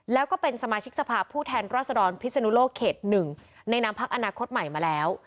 แล้วก็เป็นสมาชิกสภาพผู้แทนรัศดรพิศนุโลกเขต๑ในนามพักอนาคตใหม่มาแล้ว